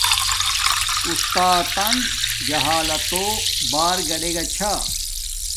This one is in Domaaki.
اُستاتن جہالتو بار گادیگا چھا